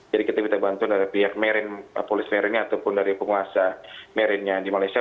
jadi kita minta bantuan dari pihak marine polis marine ataupun dari penguasa marine nya di malaysia